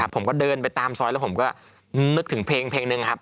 ผมก็เดินไปตามซอยแล้วผมก็นึกถึงเพลงหนึ่งครับ